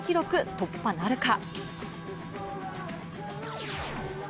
突破なるか？